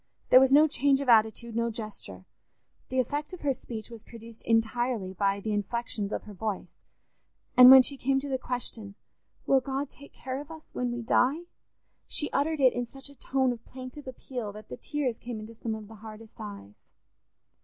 There was no change of attitude, no gesture; the effect of her speech was produced entirely by the inflections of her voice, and when she came to the question, "Will God take care of us when we die?" she uttered it in such a tone of plaintive appeal that the tears came into some of the hardest eyes.